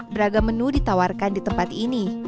beragam menu ditawarkan di tempat ini